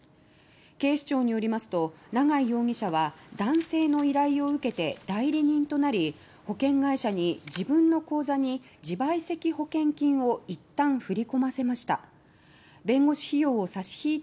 警視庁によりますと永井容疑者は男性の依頼を受けて代理人となり保険会社に自分の口座に自賠責保険金を一旦振り込ませました。